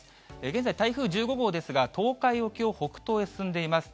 現在、台風１５号ですが、東海沖を北東へ進んでいます。